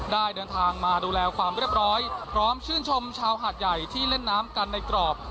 เดินทางมาดูแลความเรียบร้อยพร้อมชื่นชมชาวหาดใหญ่ที่เล่นน้ำกันในกรอบ